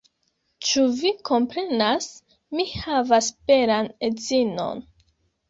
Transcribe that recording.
Ĉu vi komprenas? Mi havas belan edzinon